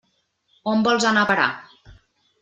On vols anar a parar?